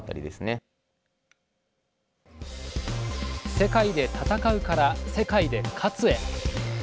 「世界で戦う」から「世界で勝つ」へ。